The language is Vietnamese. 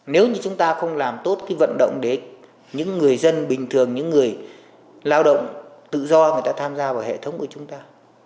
nếu như chúng ta không làm tốt cái vận động để những người dân bình thường những người lao động tự do người ta tham gia vào hệ thống của chúng ta